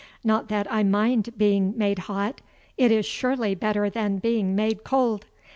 Not that I mind being made hot; it is surely better than being made cold.